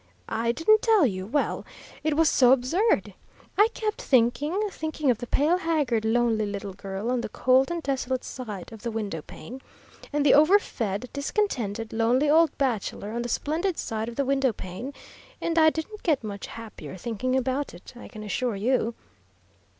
"I didn't tell you. Well, it was so absurd! I kept thinking, thinking of the pale, haggard, lonely little girl on the cold and desolate side of the window pane, and the over fed, discontented, lonely old bachelor on the splendid side of the window pane, and I didn't get much happier thinking about it, I can assure you.